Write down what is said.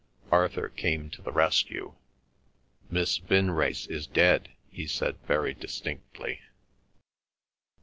Arthur came to the rescue. "Miss Vinrace is dead," he said very distinctly.